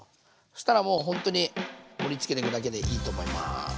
そしたらもうほんとに盛りつけていくだけでいいと思います。